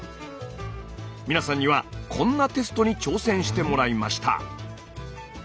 皆さんにはこんなテストに挑戦してもらいました。